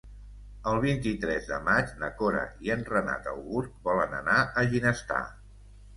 El vint-i-tres de maig na Cora i en Renat August volen anar a Ginestar.